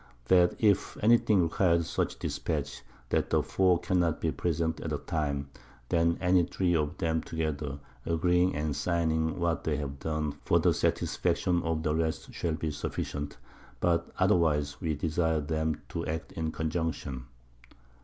That if any thing required such Dispatch that the four cannot be present at a time, then any three of them together, agreeing and signing what they have done for the Satisfaction of the rest shall be sufficient; but otherwise we desire them to act in conjunction.